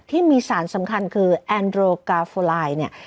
ที่มีสารสำคัญคือแอนโดรกาโฟลายเนี่ย